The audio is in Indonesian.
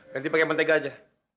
nanti pakai mentega aja